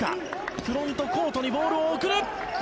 フロントコートにボールを送る。